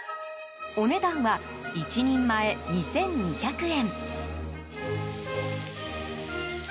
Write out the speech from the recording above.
お値段は、１人前２２００円。